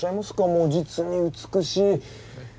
もう実に美しい。